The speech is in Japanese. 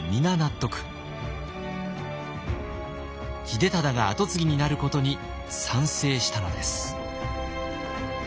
秀忠が跡継ぎになることに賛成したのです。